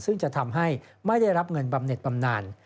ซึ่งจะทำให้ไม่ได้รับเงินบำเน็ตบำนาน